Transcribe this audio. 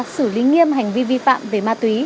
xử lý nghiêm hành vi vi phạm về ma túy